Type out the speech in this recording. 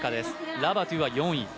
ラバトゥは４位。